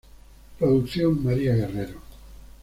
Producción: María Guerrero.